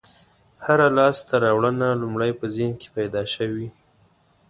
هره لاستهراوړنه لومړی په ذهن کې پیدا شوې.